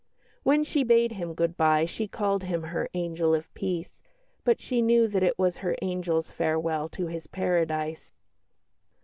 When she bade him good bye she called him her "angel of peace," but she knew that it was her angel's farewell to his paradise.